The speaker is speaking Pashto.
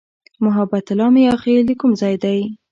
محبت الله "میاخېل" د کوم ځای دی؟